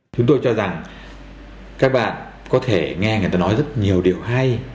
chúng tôi cho rằng các bạn có thể nghe người ta nói rất nhiều điều hay